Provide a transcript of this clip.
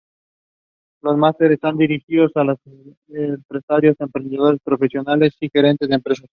Los Masters está dirigidos a empresarios, emprendedores, profesionales y gerentes de empresas.